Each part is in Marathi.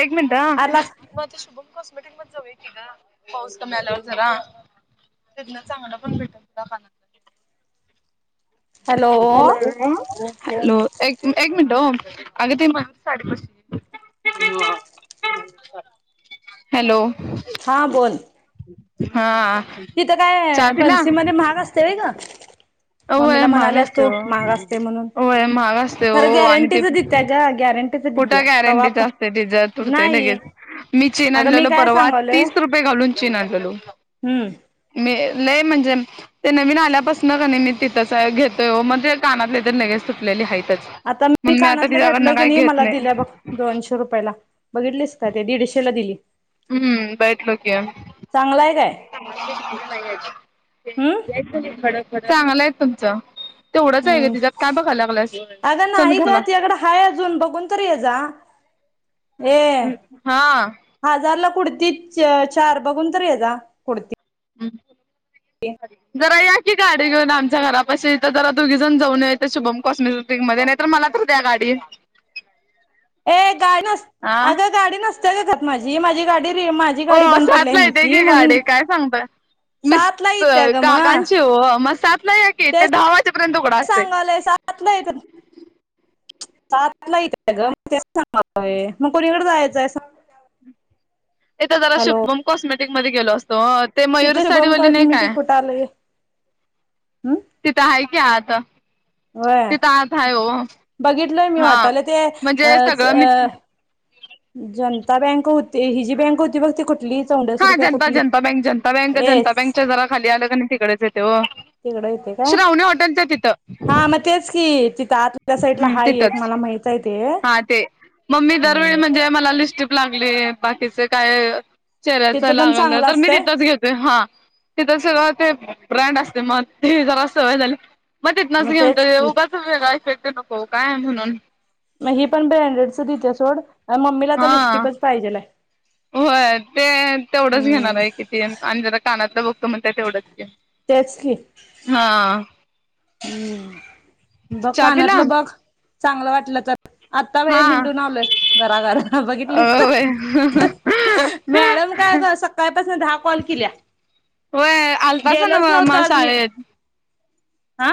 एक मिनिट हं. आला मग आता शुभम कॉस्मेटिकमध्ये जाऊया की ग पाऊस कमी आल्यावर जरा. तिथन चांगलं पण भेटत तुला पाना हॅलो. हॅलो. एक एक मिनट ओ अग ती मधली साडी [unintelligible] हॅलो हा बोल. हा. तिथं चहा काय पिला बन्सीमध्ये महाग असतंय होय ग. अ व्हय मम्मीला महाग म्हणाल्यास असतंय तू महाग असते म्हणून ओ, व्हय महाग असतंय ओ खरं आणि ते गॅरंटीच देत्या ग गॅरंटीच कुठं देत्या कवा गॅरंटीच पण असतंय तिच्यात तुटतय नाही लगेच मी चेन अगं मी आणलेलो काय परवा सांगालोय तीस स रुपये घालून चीन आणलेलो. हम्म मे लय म्हणजे ते नवीन आल्यापासन कणी मी तिथंच आहे घेतोय ओ म ते कानातले तर लगेच तुटलेले आहेतचं. आता मी कानातल घेतलोय की नाही मला दिल्या बघ दोनशे रुपयला. बघितलीस काय ते दीडशेला दिली. [unintelligible] चांगल आहेत. हम्म चांगल आहे तुमचं. तेवढंच आहे ग हम्म तिच्यात काय बघाय लागल्यास अगं चल नाही ग घरला. तुझ्याकडे हाय अजून बघून तर ये जा. ये. हा हजारला कुडती च चार बघून तर ये जा कुडती. जरा या या की गाडी घेऊन आमच्या घरापशी इथ जरा दोघी जण जाऊन येऊया इथं शुभम कॉस्मेटिक मध्ये. नाही तर मला तर द्या गाडी. [unintelligible] ए गाडी नस हा अगं गाडी नसते का खात माझी माझी गाडी री माझी. गाडी हो बंद पडल्या सात ला येती ह्यांची की म्हणून गाडी काय सांगताय? मी सात ला येत्या ग मग काकांची हो म सातला या कि ते दहावा तेच सांगालोय सातला येऱ्यांत. [unintelligible] कोणीकडे जायचंय सांग. तिथं जरा हॅलो शुभम कॉस्मेटिक मध्ये गेलो असतो हो. ते मयूर तिथे शुभम साडीवाली नाही कॉटमिटी काय कुठं आलंय हम्म तिथं आहे की आत. व्हय तिथ आत आहे हो बघितलंय मी हा वाटालय ते म्हणजे अ च सगळं मित्र अ ह जनता बँक होती ही जी बँक होती बघ ते कुठ. [unintelligible] हा जनता जनता बँक जनता बँक जनता बँकच्या तिकडं जरा खाली आलं क तिकडेच येत य हो. येते काय श्रावणी हॉटेलच्या तिथं. हा मग तेच की तिथं आत. हम्म तिथच हा ते मग मी दरवेळी हम्म म्हणजे मला लिस्टीप लागली बाकीच काय चेहऱ्याच तिथं पण लागलं चांगलं तर मी असतंय तिथंच घेतो. हा ती त ते ब्रँड असते मग ते जरा सवय झाली आहे. मग तिथनाच घेऊन तेच त की उगाचगय शकते नको काय म्हणून मग ही पण ब्रँडेडच दिते सोड मम्मीला आता हा लिस्टीपच पाहिजेलय? होय ते तेवढंच घेणार आहे किती आणि जरा कानातलं बघतो म्हणत्यात तेवढंच की. तेच की. हा. हम्म बघ चहा पिला कानातलं बघ चांगलं वाटलं तर. आता हा बाहेर हिंडून आलोय घराघर अ बघितलीस व्हय ना. मॅडम काय अता सकाळपासन दहा कॉल केल्या. व्हय आलतासा गेलोच नव्ह नव्हतो मग आज मी शाळेत आ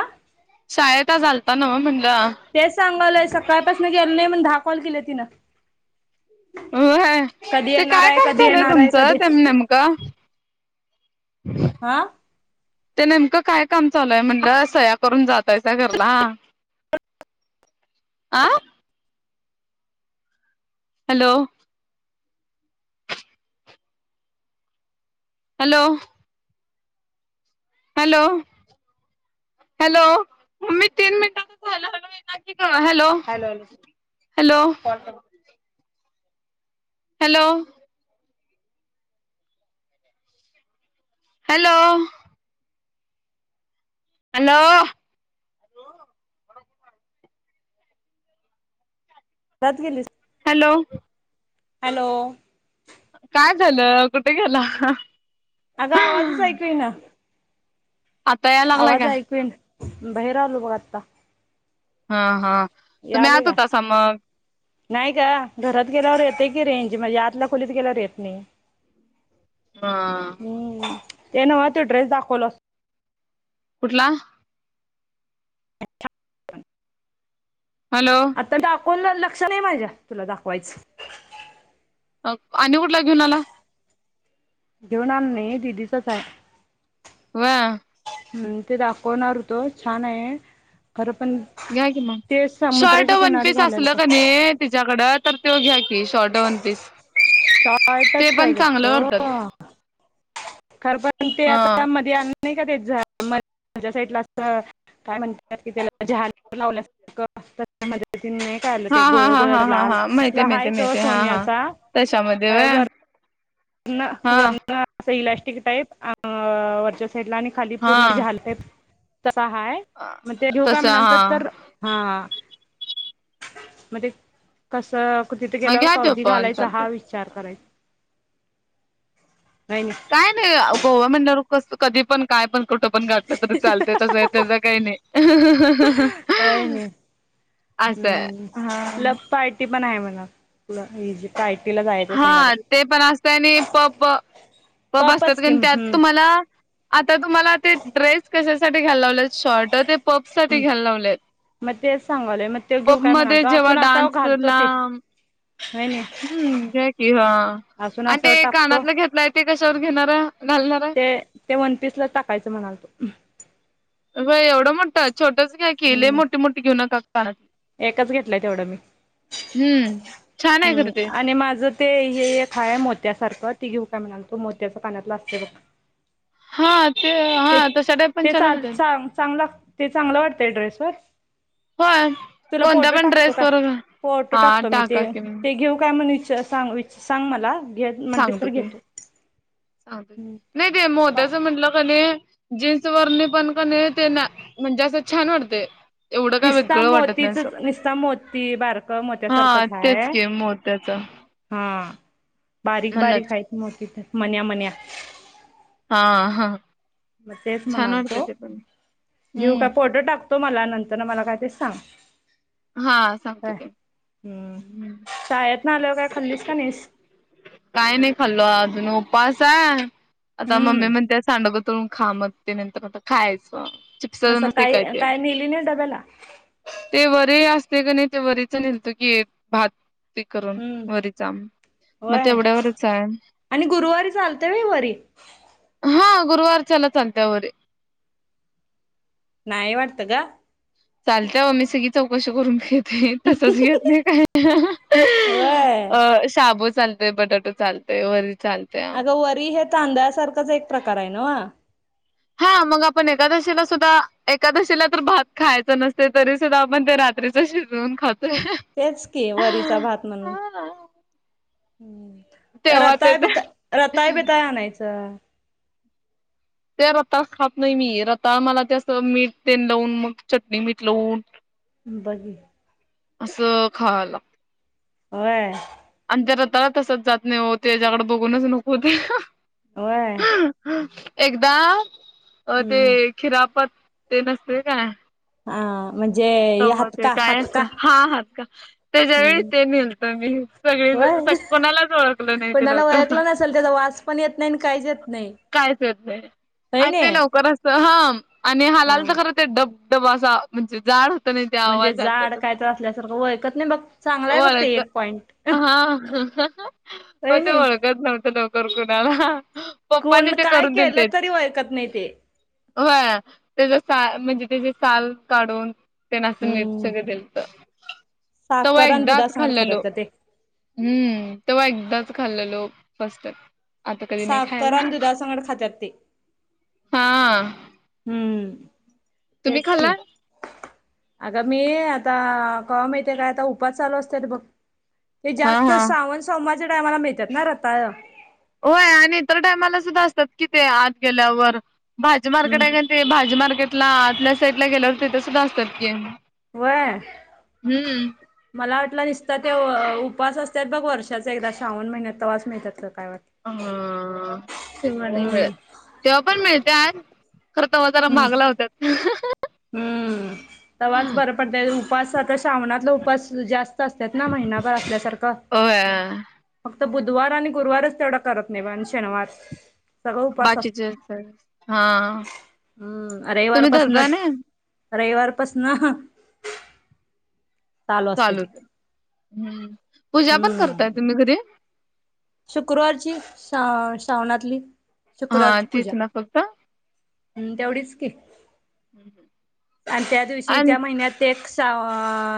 शाळेत आज आलता नव्ह म्हणल. तेच सांगालोय सकाळपासन गेलो नाय म्हणून दहा कॉल केलं तिनं. व्हय कधी ते येणार काय काम कधी चालू आहे येणार कधी तुमचं? त्यांना नेमक का? आ ते नेमकं काय काम चालूय म्हणलं सया करून जातायसा घरला. आं hello! Hello! Hello! Hello! Mummy तीन मिनिटाचं राहिलं हॅलो येना कि ग hello, hello hello. Hello! Hello! Hello! Hello! [unintelligible] Hello! Hello! काय झालं? कुठे गेला? [unintelligible] अगं, आवाजच ऐकू येईना. आता याय लागलाय आवाज काय ऐकू ईना, बाहेर आलो बघ आता. हा, हम्म हा, तुम्ही यालय आत का होतासा मग, नाही ग, घरात गेल्यावर येते की रेंज, मजी आतल्या खोलीत गेल्यावर येत नाही. हा, हम्म, ते नव त्यो ड्रेस दाखवल कुठला? [unintelligible] हॅलो? आता दाकवून, लक्ष नाही माझ्या, तुला दाखवायच. आणि कुठला घेऊन आला? घेऊन आलो नाही, दीदीचाच हाय, होय, हम्, ते दाखवणार होतो, छान आहे, खरं पण घ्या कि मग, ते शर्ट समुद्राच्या वन किनारी पीस असलं घालायला पाहिजे कीनी, तिच्याकडं, तर तो घ्या की, शर्ट वन पीस. ते शार्टच, आहे पण ग चांगलं तो, वाटतात खरं पण ते ह आता, मध्ये आणलं नाही का, ते म [unintelligible] साईडला असतं. काय म्हणतात, की त्याला [unintelligible] लावल्या सारखं असतं [unintelligible] नाही झालं हा ते, हा गोळ- हा गोळ हा हा लाल असला हाय तो सोन्याचा तशामध्ये होय, ण वरण असं, इलास्टिक टाईप, अ वरच्या साईडला आणि खाली हा पूर्ण झालर, टाइप, तसं हाय, मग ते घेऊ का तस मग नंतर हा तर, हा, मध्ये कसं, तिथे मग गेल्यावर घ्या तो कधी पण घालायचा चालतय हा, तस विचार पण करायचा. नाय -नाय काय नाही, गोवा म्हटल्यावर कसं, कधी पण काय पण, कुठं पण घातलं तरी चालतय, तसं त्याच काही नाही. नाही [unintelligible] असं, हा ते पण आहे म्हणा, काय केलं, हा, ते पण असत, आणि पब- पब असतात पपच कि कारण, त्यात हम्म तुम्हाला आता, तुम्हाला ते ड्रेस कशासाठी, घायला लावलेत. शॉर्ट ते पब साठी हम्म घ्यायला लावले आहेत. मग तेच सांगालोय मग ते घेऊ पब काय मध्ये म्हणालतो जेव्हा, डान्स ला, होईनाही, हम्म, घ्या की हा, आणि असावर ते, टाकतो कानातला घेतलाय ते, कशावर घेणारा घालणारा? ते ते, वनपीसला टाकायचं म्हणाल तो, होय, एवढा मोठ! छोटसं घ्या की लय हम्म मोठी- मोठी घेऊ नका कानातली, एकच, घेतलय तेवढं मी, हम्म, छान आहे हम्म, खरं ते आणि माझं ते, हे एक हाय मोत्यासारखं, ते घेऊ काय म्हणाल, तो मोतच कानातल असत्य बग, हा, ते ते हा तशा टाईप पण -ते छान चाल वाटतात चांग ते चांगलं वाटतंय ड्रेस वर, होय तुला कोणत्या फोटो पण टाकतो ड्रेस काय, वर फोटो हा टाकतो मी ते, टाका की ते घेऊ काय म्हण विच सांग अ सांग मला, घेच म्हटलीस तर घेतो. सांग, नाही ते बा मोत्याचं म्हटलं क नाही जीन्स वरणी पण क नाही ते ना, म्हणजे ते असं छान वाटतंय. निस्ता मोतीचच, निस्ता मोती बारकं हा मोत्यासारखंच हाय तेच की मोत्याच हा बारीक बारीक म्हणच हायत मोती, मन्या मन्या हा हा. मग तेच छान म्हणालतो, वाटते ते पण घेऊ काय हम्म फोटो टाकतो मला नंतर न मला काय ते सांग. हा सांगतो हय, की हम्म, शाळेतनं आल्यावर काय खाल्लीस का नाहीस? काय नाही खाल्लो अजून, उपास हाय, आता मम्मी हम्म म्हणत्या सांडगं तळून खा, मग ते नाही तर आता खायचं चिप्स मग नसते सकाळी ते काय नेली नाहीस डब्याला? ते वरी असतय नै ते वरीचा नेलतो की, भात -ते करून हम्म वरीचा. मग होय, तेवढ्यावरच आहे आणि गुरुवारी चालतंय व्हय वरी? हा, गुरवार च्या हला चालत्या वरी. नाहीय वाडतं गं. चालत्या हो मी सगळे चौकशी करून घेते, तसच घेत नाही काही नाही. होय अ शाबू चालतय, बटाटू चालतय, वरी चालत अगं वरी हे तांदळासारखाच एक प्रकार हाय नवं. हा मग आपण एकादशीला सुद्धा, एकादशीला तर भात खायचं नसतय तरी सुद्धा आपण ते रात्री च शिजवून खातोय. तेच की वरीचा भात म्हणून. त तेव्हा ते रताळ बिताळ, ते रताळ बिताळ आणायचं. त्या रताळ खात नाही मी,, रताळ मला ते असं मीठ तेल लावून मग चटणी मीठ लावून [inaudible] बघे असं खायाला व्हय. आणि ते रताळ तसंच जात नाही हो त्याच्याकडं बघूनच नको होत होय? एकदा, अ ते हम्म खिरापत, ते नसतय काय हा. म्हणजे तवा ते हातका काय असतय? हातका हा हादका,, त्याच्या वेळी हम्म ते नेलतं मी. सगळेजण. होय कोणालाच वळकलं नाही ते कोणाला लवकर ओळखलं नसेल त्याचा वास पण येत नाही आणि काहीच येत नाही कायच ये ते,, होय आणि ना ते लवकर असं हम्म, आणि हा हलालतं खरं ते डब-डबा असा, म्हणजे जाड होतं नाई म्हणजे आवाज आला जाड त काय तर असल्यासारखं ओळखत नाही बघ चांगला आहे बघ ते वाळकं एक पॉइंट हा [unintelligible] म होय ते नाही ओळखत नव्हतं लवकर कुणाला. पप्पानी कोण, ते काय, करून केलं तरी वळखत नाही ते. व्हय? त्याचा सा म्हणजे त्याची साल काढून तेना असं नीट हम्म. सगळं केलतं. तव्हा साखर आणि एकदाच दुधासंगट खाल्लेलो. खातात का ते हम्म. तव्हा एकदाच खाल्लेलो फस्ट टाइम. आता कधी नाही साखर खायला. आणि दुधासंगट खातात ते. हां हम्म तेच की खाल्लाय? अगं मी आता, कवा माहतीे काय? आता उपास चालू असत्यात बघ ते हा जास्त हा. श्रावण सोमवरच्या टायमाला मिळत्यात ना रताळ? होय, आणि इतर टायमाला सुद्धा असतात कि ते आत गेल्यावर, भाजी मार्केट हम्म. हाय कणी ते भाजी मार्केटला आतल्या साईडला गेल्यावर तिथं सुद्धा असत्यात की व्हयं? हम्म मला वाटलं निसता त्यो उपास असत्यात बघ, वर्षाच एकदा श्रावण महिन्यात, तवाच मिळतात काय वाटलं. हा, तेव्हा नाही मिळत, हम्म. तेव्हा पण मिळत्यात खरं तवा जरा हम्म महाग लावत्यात हम्म. तव्हाच बरं पडतयं उपास सतसं श्रावणातलं उपास जास्त असत्यात ना, महिनाभर असल्यासारखं होय फक्त बुधवार आणि गुरुवारच तेवढा करत नाही बघ, आणि शनवार सगळं उपास अस, बाकीचे हा हम्म रविवार तुम्ही धरता पसनचं ना रविवार पसनं असते ती चालूच, हम् पूजा पण करताय हम्म तुम्ही घरी? शुक्रवारची श्रा, श्रावणातली, हा शुक्रवारची तेच पूजा ना फक्त हम् तेवढीच की, आणि त्या दिवशी आणि त्या महिन्यात तेक सा,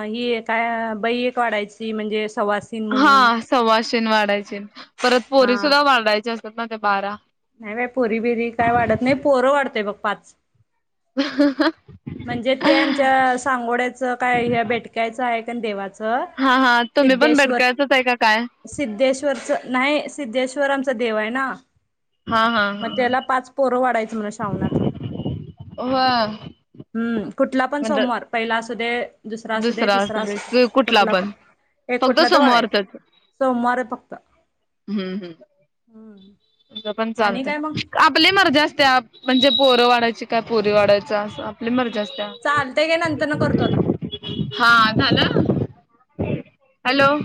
ही एक काय बई एक वाढायची म्हणजे सवास हा सवाशीन वाढायची, परत हा पोरी सुुद्धा वाढायच्या असतात ना त्या बारा? नाही बाई, पोरी बिरी काय वाढत नाही, पोरं वाढतोय बघ पाच म्हणजे ते आमच्या सांगोड्यात च काय हे भेटकायचं आहे कण देवाच हा हा तुम्ही पण बेटकरळ्याचचं आहे का काय? सिद्धेश्वरचं, नाही सिद्धेश्वर आमचा देव आहे ना हा, हा, हा मग त्याला पाच पोरं वाडायची म्हण श्रावणात हा हो हम्म, कुठला पण म्हणजे सोमवार. पहिला असूदे, दुसरा असूदे, तिसरा असूदे कुठला पण एक फक्त कुठला तर वाढायचं सोमवारचाच सोमवारी फक्त हम्म, हम्म. हम्म कसपण आणि चालतंय. काय मग आपली मर्जी असतीया म्हणजे पोरं वाढायची काय पोरी वाढायचा, आपली मर्जी असत्या. चालतय काय नंतर न करतो आता हा झालं? हॅलो.